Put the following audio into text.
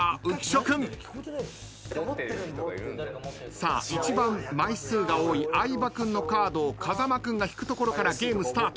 さあ一番枚数が多い相葉君のカードを風間君が引くところからゲームスタート。